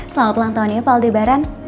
selamat ulang tahun ya pak aldebaran